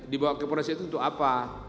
dibawa ke polisi itu untuk apa